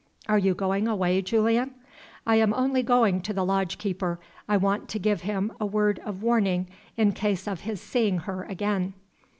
"Are you going away, Julian?" "I am only going to the lodge keeper. I want to give him a word of warning in case of his seeing her again."